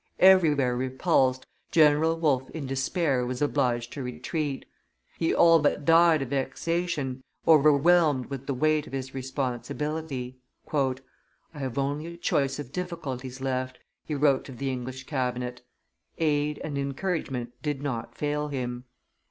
Everywhere repulsed, General Wolfe in despair was obliged to retreat. He all but died of vexation, overwhelmed with the weight of his responsibility. "I have only a choice of difficulties left," he wrote to the English cabinet. Aid and encouragement did not fail him.